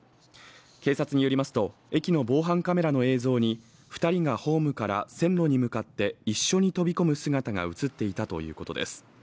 警察によりますと駅の防犯カメラの映像に２人がホームから線路に向かって一緒に飛び込む姿が映っていたということです。